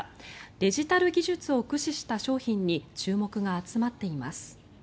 デジタル技術を駆使した商品に注目が集まっています。